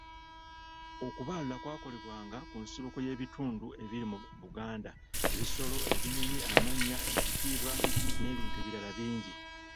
Okubaaluula kwakolebwanga ku nsibuko y’ebitundu ebiri mu Buganda, ebisolo, ebinyonyi, amannya, ebitiibwa n’ebintu ebirala bingi.